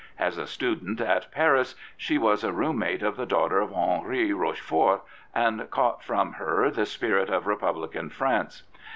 As a student at Paris she was a room mate of the daughter of Henri Roche fort, and caught from her the spirit of Republican France.